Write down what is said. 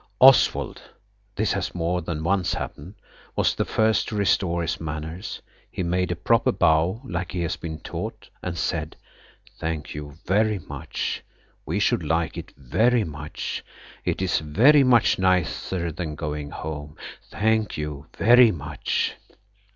Oswald (this has more than once happened) was the first to restore his manners. He made a proper bow like he has been taught, and said– "Thank you very much. We should like it very much. It is very much nicer than going home. Thank you very much."